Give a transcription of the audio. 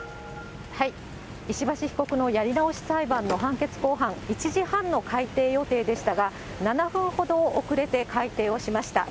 石橋被告のやり直し裁判の判決公判、１時半の開廷予定でしたが、７分ほど遅れて開廷をしました。